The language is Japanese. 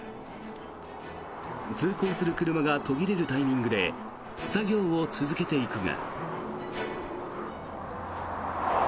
通行する車が途切れるタイミングで作業を続けていくが。